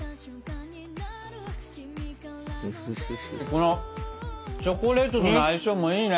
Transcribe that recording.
このチョコレートとの相性もいいね。